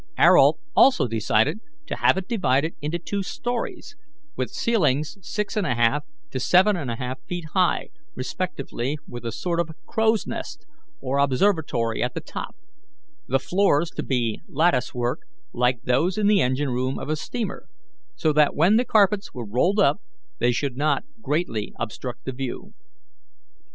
Ayrault also decided to have it divided into two stories, with ceilings six and a half to seven and a half feet high, respectively, with a sort of crow's nest or observatory at the top; the floors to be lattice work, like those in the engine room of a steamer, so that when the carpets were rolled up they should not greatly obstruct the view.